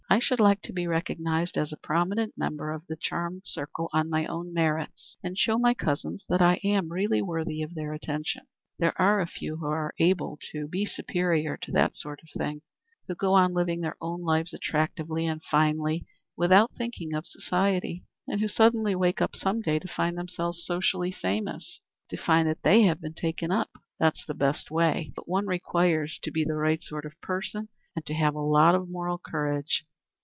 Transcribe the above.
I should like to be recognized as a prominent member of the charmed circle on my own merits and show my cousins that I am really worthy of their attention. There are a few who are able to be superior to that sort of thing, who go on living their own lives attractively and finely, without thinking of society, and who suddenly wake up some day to find themselves socially famous to find that they have been taken up. That's the best way, but one requires to be the right sort of person and to have a lot of moral courage.